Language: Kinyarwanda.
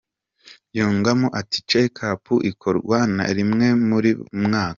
Yungamo ati “checkup ikorwa rimwe buri mwaka.